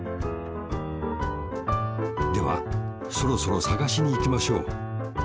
ではそろそろさがしにいきましょう。